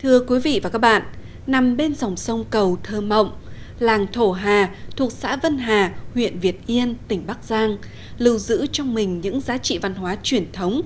thưa quý vị và các bạn nằm bên dòng sông cầu thơ mộng làng thổ hà thuộc xã vân hà huyện việt yên tỉnh bắc giang lưu giữ trong mình những giá trị văn hóa truyền thống